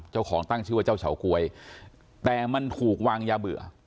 เจ้าของตั้งชื่อว่าเจ้าเฉาก๊วยแต่มันถูกวางยาเบื่อ